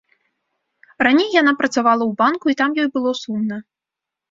Раней яна працавала ў банку і там ёй было сумна.